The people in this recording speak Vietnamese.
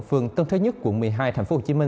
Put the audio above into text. phường tân thới nhất quận một mươi hai tp hcm